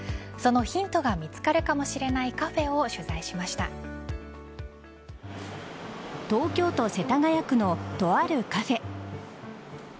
そのヒントが見つかるかもしれないカフェを東京都世田谷区のとあるカフェ。